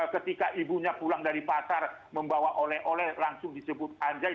ketika ibunya pulang dari pasar membawa oleh oleh langsung disebut anjai